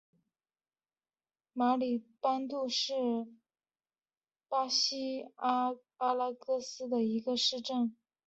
马里邦杜是巴西阿拉戈斯州的一个市镇。